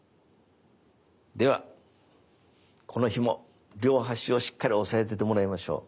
ではこのひも両端をしっかり押さえててもらいましょう。